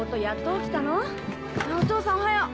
お父さんおはよう。